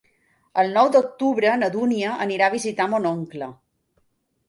El nou d'octubre na Dúnia anirà a visitar mon oncle.